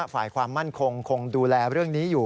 ฝ่ายความมั่นคงคงดูแลเรื่องนี้อยู่